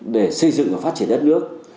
để xây dựng và phát triển đất nước